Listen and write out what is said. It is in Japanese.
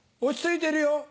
落ち着いてるよ。